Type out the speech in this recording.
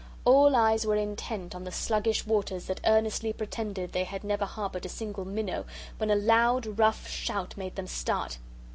All eyes were intent on the sluggish waters that earnestly pretended they had never harboured a single minnow when a loud rough shout made them start.